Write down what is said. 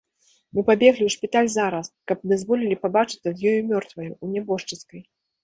Мы пабеглі ў шпіталь зараз, каб дазволілі пабачыцца з ёю мёртваю, у нябожчыцкай.